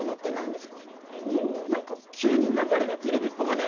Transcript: おお何か急に流れがテレビっぽかね。